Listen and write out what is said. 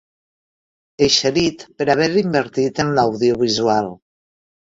Eixerit per haver invertit en l'audiovisual.